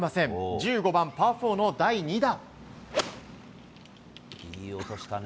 １５番、パー４の第２打。